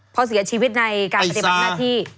พอเสียชีวิตในการปฏิบัติหน้าที่